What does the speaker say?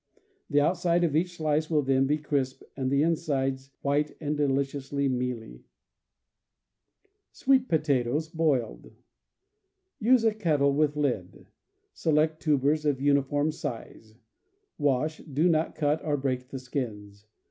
The outside of each slice will then be crisp and the insides white and deliciously mealy. Sweet Potatoes, Boiled. — Use a kettle with lid. Select tubers of uniform size; wash; do not cut or break the skins.